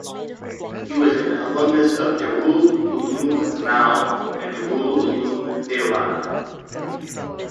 He was an alumnus of Darul Uloom Mau and Darul Uloom Deoband.